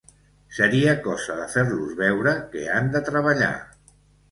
Seria cosa de fer-los veure que han de treballar.